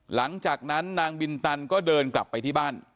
หลังจากนั้นนางบินตันก็เดินกลับไปที่บ้าน